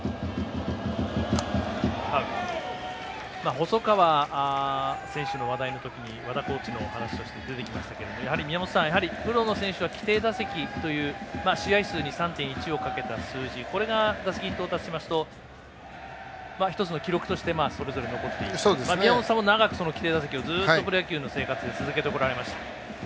細川選手の話題の時に和田コーチのお話として出てきましたけどもやはり、プロの選手は規定打席という試合数に３．１を掛けた数字が打席に到達しますと１つの記録としてそれぞれ残っていくという宮本さんも、長く規定打席をずっとプロ野球の生活で続けてこられました。